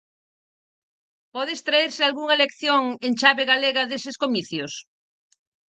Pode extraerse algunha lección en chave galega deses comicios?